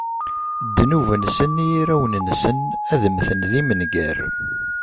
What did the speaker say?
Ddnub-nsen i yirawen-nsen, ad mmten d imengar.